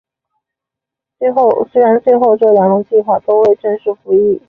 虽然最后这两种计划都未正式服役。